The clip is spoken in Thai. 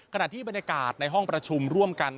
ขณะที่บรรยากาศในห้องประชุมร่วมกัน